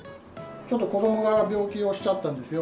ちょっと子供が病気をしちゃったんですよ。